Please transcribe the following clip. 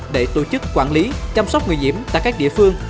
để tổ chức quản lý chăm sóc người nhiễm tại các địa phương